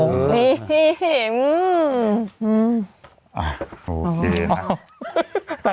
โอเคค่ะ